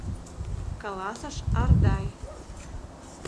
— каласыш Ардай.